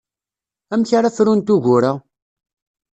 Amek ara frunt ugur-a?